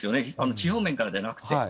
地表面からではなくて。